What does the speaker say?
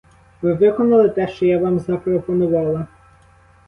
Ви виконали те, що я вам запропонувала?